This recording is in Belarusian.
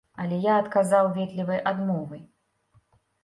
Але я адказаў ветлівай адмовай.